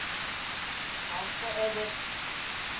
Аш та әҙер.